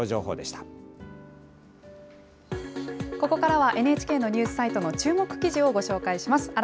ここからはＮＨＫのニュースサイトの注目記事をご紹介します。